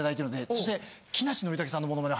そして木梨憲武さんのモノマネ